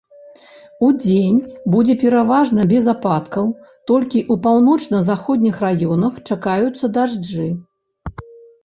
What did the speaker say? Удзень будзе пераважна без ападкаў, толькі ў паўночна-заходніх раёнах чакаюцца дажджы.